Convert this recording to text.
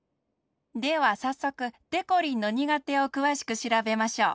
ではさっそくでこりんのにがてをくわしくしらべましょう。